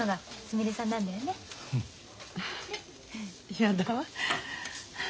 やだわ。